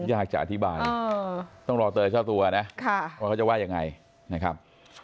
ยากจะอธิบายต้องรอเตยเจ้าตัวนะว่าเขาจะว่ายังไงนะครับ